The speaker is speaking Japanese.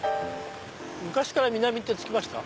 昔から「南」って付きました？